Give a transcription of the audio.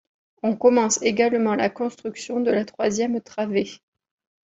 On commence également la construction de la troisième travée.